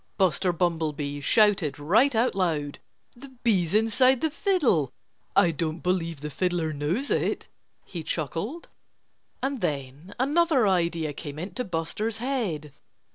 Buster Bumblebee shouted right out loud. "The bee's inside the fiddle.... I don't believe the fiddler knows it!" he chuckled. And then another idea came into Buster's head.